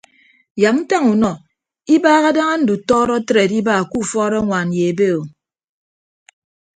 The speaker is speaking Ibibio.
Yak ntañ unọ ibaha daña ndutọọdọ atre adiba ke ufuọd añwaan ye ebe o.